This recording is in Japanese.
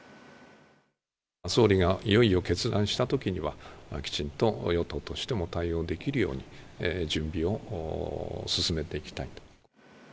総理がいよいよ決断したときには、きちんと与党としても対応できるように、準備を進めていきたいと。